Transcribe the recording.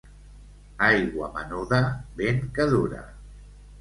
Aigua menuda, vent que dura.